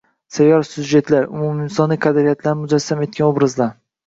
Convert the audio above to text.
Sayyor syujetlar, umuminsoniy qadriyatlarni mujassam etgan obrazlar